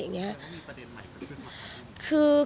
มีประเด็นไร